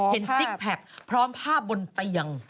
เห็นซิกแผ่บพร้อมภาพบนเตียง